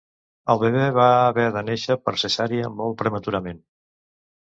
El bebè va haver de néixer per cesària molt prematurament.